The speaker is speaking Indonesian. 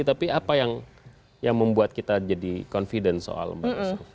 tapi apa yang membuat kita jadi confident soal mbak yusuf